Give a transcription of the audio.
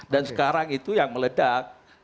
sekarang itu yang meledak